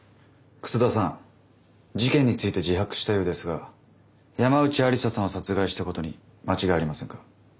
楠田さん事件について自白したようですが山内愛理沙さんを殺害したことに間違いありませんか？